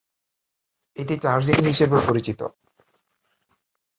এটি "চার্জিং" হিসাবে পরিচিত।